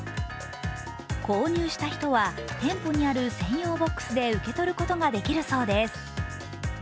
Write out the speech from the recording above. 購入した人は店舗にある専用ボックスで受け取ることができるそうです。